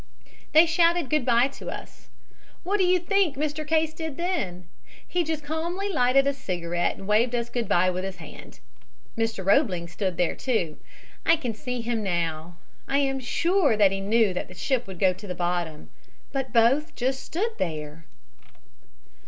"They shouted good bye to us. What do you think Mr. Case did then? He just calmly lighted a cigarette and waved us good bye with his hand. Mr. Roebling stood there, too I can see him now. I am sure that he knew that the ship would go to the bottom. But both just stood there."